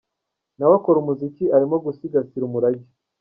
Na we akora umuziki, arimo gusigasira umurage…”.